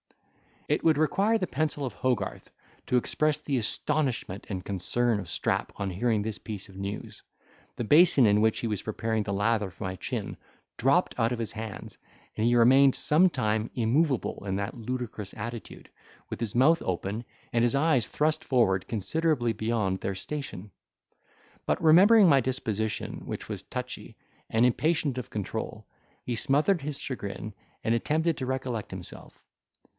It would require the pencil of Hogarth to express the astonishment and concern of Strap on hearing this piece of news; the basin, in which he was preparing the lather for my chin, dropped out of his hands, and he remained some time immovable in that ludicrous attitude, with his mouth open, and his eyes thrust forward considerably beyond their station; but, remembering my disposition, which was touchy, and impatient of control, he smothered his chagrin, and attempted to recollect himself.